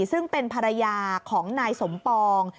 ซึ่งเป็นภรรยาของนายสมปอง